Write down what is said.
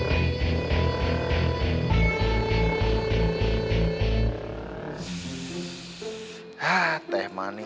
ah teh manis